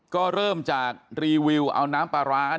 ก็เริ่มจากรีวิวเอาน้ำปลาร้า